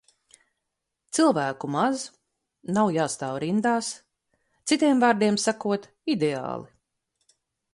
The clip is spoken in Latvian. Cilvēku maz. Nav jāstāv rindās. Citiem vārdiem sakot – ideāli.